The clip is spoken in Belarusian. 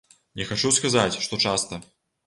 Не хачу сказаць, што часта.